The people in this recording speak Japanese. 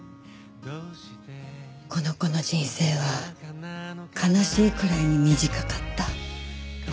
この子の人生は悲しいくらいに短かった。